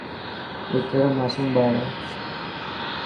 اي ڪهڙو ماصوم ٻاڙ هي.